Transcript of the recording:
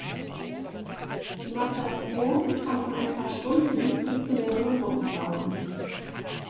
Die Mazeration kann von ein paar Stunden bis zu mehreren Wochen dauern.